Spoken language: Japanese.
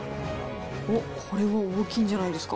おっ、これは大きいんじゃないですか。